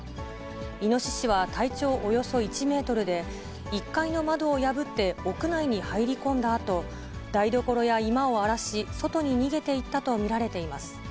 イノシシは体長およそ１メートルで、１階の窓を破って屋内に入り込んだあと、台所や居間を荒らし、外に逃げていったと見られています。